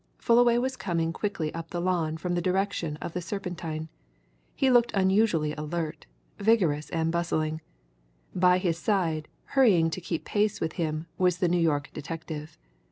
Fullaway was coming quickly up the lawn from the direction of the Serpentine; he looked unusually alert, vigorous, and bustling; by his side, hurrying to keep pace with him, was the New York detective.